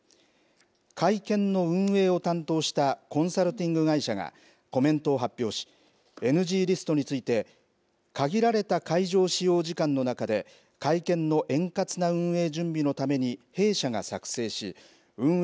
会見の運営を担当したコンサルティング会社がコメントを発表しＮＧリストについて限られた会場使用時間の中で会見の円滑な運営準備のために弊社が作成し運営